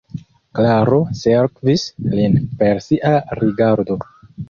Klaro sekvis lin per sia rigardo.